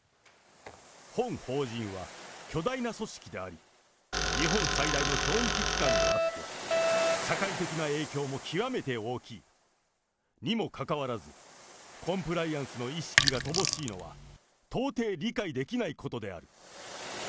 本法人は巨大な組織であり、日本最大の教育機関であって、社会的な影響も極めて大きい。にもかかわらず、コンプライアンスの意識が乏しいのは、到底理解できないことである。